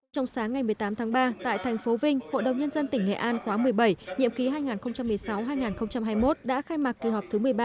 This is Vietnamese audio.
trong sáng ngày một mươi tám tháng ba tại thành phố vinh hội đồng nhân dân tỉnh nghệ an khóa một mươi bảy nhiệm ký hai nghìn một mươi sáu hai nghìn hai mươi một đã khai mạc kỳ họp thứ một mươi ba